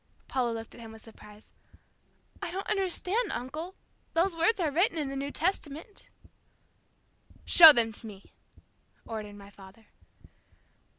Paula looked at him with surprise. "I don't understand, uncle. Those words are written in the New Testament." "Show them to me," ordered my father.